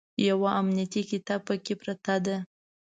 یوه امنیتي قطعه پکې پرته ده.